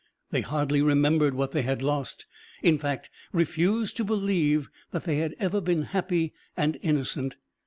They hardly remembered what they had lost, in fact refused to believe that they had ever been happy and innocent.